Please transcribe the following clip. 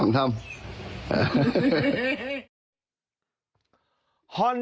เอาขาย